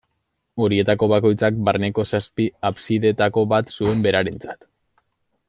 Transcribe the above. Horietako bakoitzak, barneko zazpi absideetako bat zuen berarentzat.